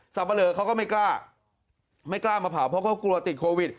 ปะเลอเขาก็ไม่กล้าไม่กล้ามาเผาเพราะเขากลัวติดโควิด